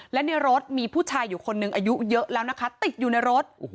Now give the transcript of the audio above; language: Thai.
และในรถมีผู้ชายอยู่คนหนึ่งอายุเยอะแล้วนะคะติดอยู่ในรถ